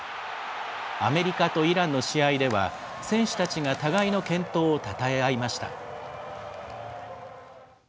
アメリカとイランの試合では、選手たちが互いの健闘をたたえ合いました。